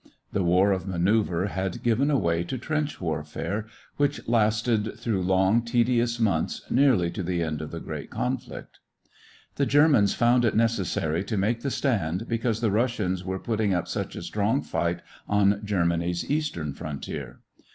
The war of manoeuver had given way to trench warfare, which lasted through long, tedious months nearly to the end of the great conflict. The Germans found it necessary to make the stand because the Russians were putting up such a strong fight on Germany's eastern frontier.